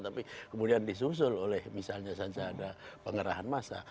tapi kemudian disusul oleh misalnya saja ada pengerahan massa